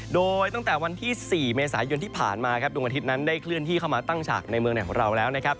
โดยตั้งแต่วันที่๔เมษายนที่ผ่านมาครับดวงอาทิตย์นั้นได้เคลื่อนที่เข้ามาตั้งฉากในเมืองไหนของเราแล้วนะครับ